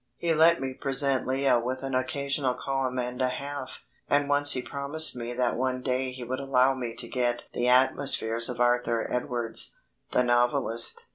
He let me present Lea with an occasional column and a half; and once he promised me that one day he would allow me to get the atmosphere of Arthur Edwards, the novelist.